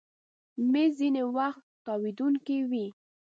مېز ځینې وخت تاوېدونکی وي.